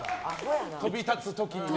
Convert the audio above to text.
飛び立つ時にね。